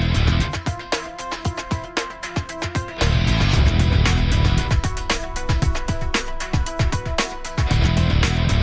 นี่คือสภาพหน้าบ้านหักโภคที่ต้องคอดออกมา